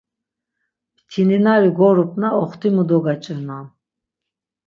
Mtininari gorupna oxtimu dogaç̌irnan.